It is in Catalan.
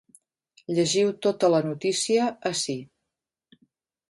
Llegiu tota la notícia ací.